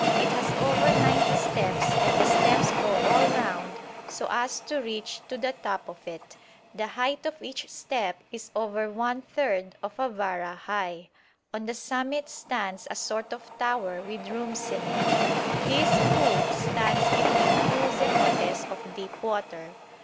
It has over ninety steps and the steps go all round so as to reach to the top of it; the height of each step is over one third of a vara high. On the summit stands a sort of tower with rooms in it.... This Cu stands between two zenotes of deep water.